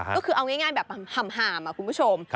ก็คือเอาง่ายแบบห่ามคุณผู้ชม